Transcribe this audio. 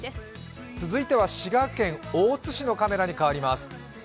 続いては滋賀県大津市のカメラに替わります。